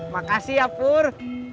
makasih ya pur